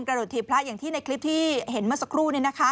โดดถีบพระอย่างที่ในคลิปที่เห็นเมื่อสักครู่